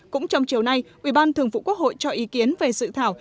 cũng trong chiều nay ubthq cho ý kiến về sự thảo